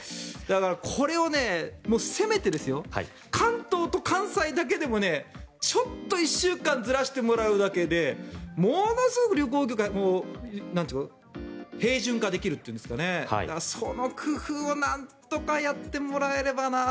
これをせめて関東と関西だけでもちょっと１週間ずらしてもらうだけでものすごく旅行業界が平準化できるというんですかその工夫をなんとかやってもらえればな。